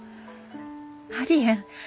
ありえん。